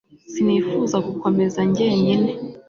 sinifuza gukomeza njyenyine